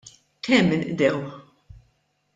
Kemm inqdew?